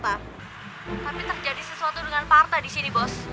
tapi terjadi sesuatu dengan pa arta di sini bos